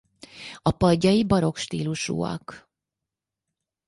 A padjai barokk stílusúak.